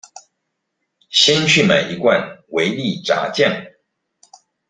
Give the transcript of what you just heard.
先去買一罐維力炸醬